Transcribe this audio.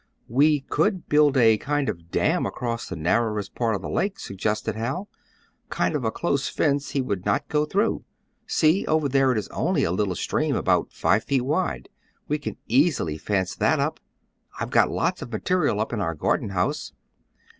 "We could build a kind of dam across the narrowest part of the lake," suggested Hal; "kind of a close fence he would not go through. See, over there it is only a little stream, about five feet wide. We can easily fence that up. I've got lots of material up in our garden house."